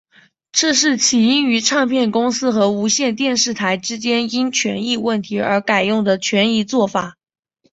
这是起因于唱片公司和无线电视台之间因权益问题而改用的权宜作法。